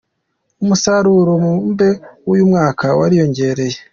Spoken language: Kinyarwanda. Umusaruro mbumbe w'uyu mwaka wariyongereye.